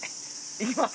いきます。